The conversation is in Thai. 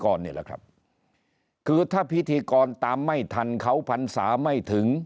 นี่แหละครับคือถ้าพิธีกรตามไม่ทันเขาพรรษาไม่ถึง